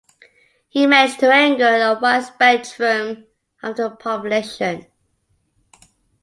He managed to anger a wide spectrum of the population.